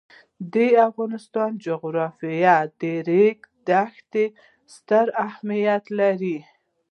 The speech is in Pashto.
د افغانستان جغرافیه کې د ریګ دښتې ستر اهمیت لري.